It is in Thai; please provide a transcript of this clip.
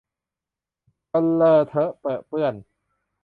จนเลอะเทอะเปรอะเปื้อน